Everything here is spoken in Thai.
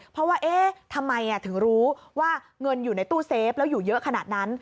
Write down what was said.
เพราะว่าเอ๊ะทำไมถึงรู้ว่าเงินอยู่ในตู้เซฟแล้วอยู่เยอะขนาดนั้น